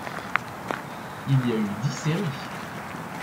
Il y a eu dix séries.